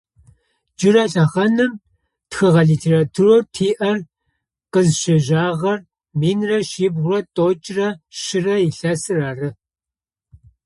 Джырэ лъэхъаным тхыгъэ литературэу тиӏэр къызщежьагъэр минрэ шъибгъурэ тӏокӏрэ щырэ илъэсыр ары.